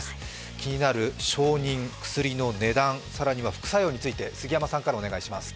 気になる承認、薬の値段、更には副作用について杉山さんからお願いします。